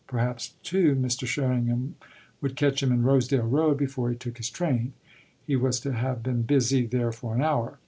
Perhaps too Mr. Sherringham would catch him in Rosedale Road before he took his train he was to have been busy there for an hour.